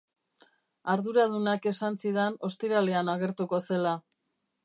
Arduradunak esan zidan ostiralean agertuko zela.